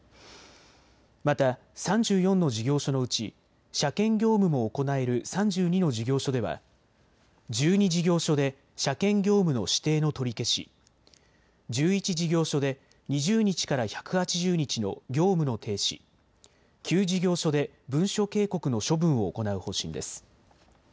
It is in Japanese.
また３４の事業所のうち車検業務も行える３２の事業所では１２事業所で車検業務の指定の取り消し、１１事業所で２０日から１８０日の業務の停止、９事業所で文書警告の処分を行う方針です。